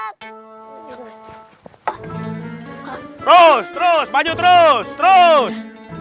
terus terus baju terus terus